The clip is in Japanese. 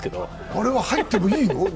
あれは入ってもいいの？